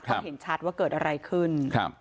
ก็เห็นชัดว่าเกิดอะไรขึ้น